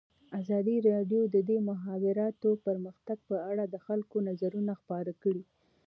ازادي راډیو د د مخابراتو پرمختګ په اړه د خلکو نظرونه خپاره کړي.